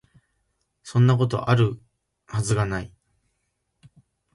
そんなこと、有る筈が無い